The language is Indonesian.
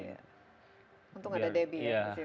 untung ada debbie ya